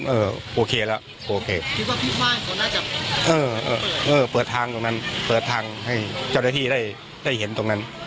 เออเออเออเปิดทางตรงนั้นเปิดทางให้เจ้าหน้าที่ได้เห็นตรงนั้น